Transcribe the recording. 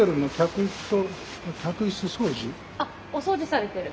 あっお掃除されてる？